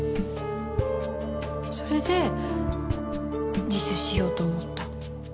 それで自首しようと思った？